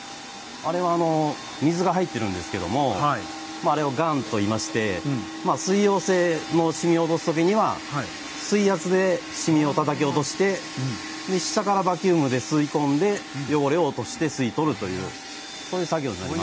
あれは水が入っているんですけどもあれをガンといいまして水溶性の染みを落とす時には水圧で染みをたたき落として下からバキュームで吸い込んで汚れを落として吸い取るというそういう作業になります。